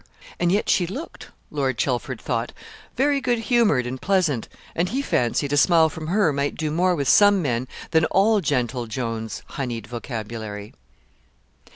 And yet she looked, Lord Chelford thought, very goodhumoured and pleasant, and he fancied a smile from her might do more with some men than all gentle Joan's honeyed vocabulary.